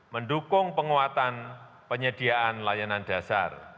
mendukung penguatan penyediaan layanan dasar